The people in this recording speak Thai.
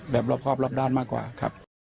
รอบครอบรอบด้านมากกว่าครับ